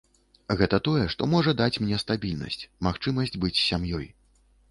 Гэта тое, што можа даць мне стабільнасць, магчымасць быць з сям'ёй.